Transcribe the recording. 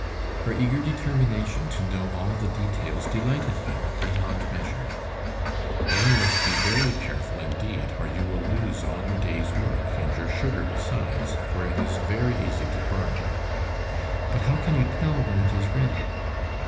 Her eager determination to know all the details delighted him beyond measure. "Then you must be very careful indeed, or you will lose all your day's work, and your sugar besides, for it is very easy to burn." "But how can you tell when it is ready?"